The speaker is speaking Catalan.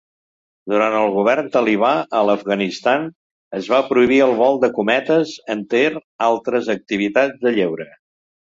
Durant el govern talibà a l'Afganistan, es va prohibir el vol de cometes, enter altres activitats de lleure.